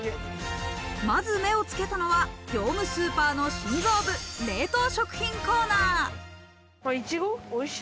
まず目をつけたのは業務スーパーの心臓部、冷凍食品コーナー。